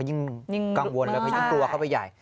ยิ่งกังวลเลยเพราะยิ่งกลัวเข้าไปใหญ่